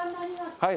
はい。